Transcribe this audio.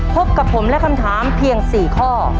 พบกับผมและคำถามเพียง๔ข้อ